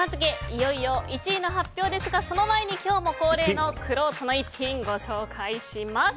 いよいよ１位の発表ですがその前に今日も恒例のくろうとの逸品ご紹介します。